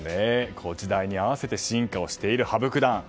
時代に合わせて進化している羽生九段。